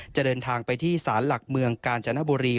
เดินทางไปที่ศาลหลักเมืองกาญจนบุรี